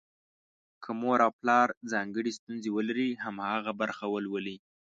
که مور او پلار ځانګړې ستونزه ولري، هماغه برخه ولولي.